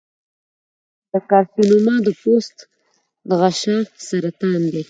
د کارسینوما د پوست او غشا سرطان دی.